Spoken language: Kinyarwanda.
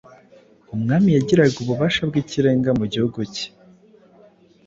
Umwami yagiraga ububasha bw’ikirenga mu gihugu cye.